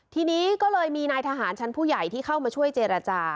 ทีนี้ก็เลยมีนายทหารชั้นผู้ใหญ่ที่เข้ามาช่วยเจรจา